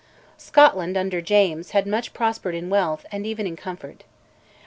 Scotland, under James, had much prospered in wealth and even in comfort.